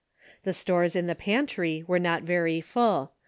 The stores in the pantry were not very full.